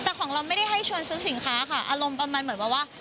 แต่ของเราไม่ได้ให้ชวนซื้อสินค้าค่ะอารมณ์ประมาณเหมือนแบบว่า